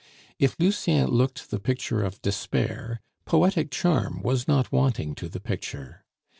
If Lucien looked the picture of despair, poetic charm was not wanting to the picture.